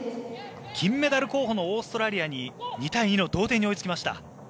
金メダル候補のオーストラリアに２対２の同点に追いつきました。